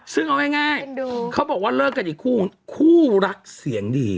ซึ่งเอาง่ายเขาบอกว่าเลิกกันอีกคู่คู่รักเสียงดี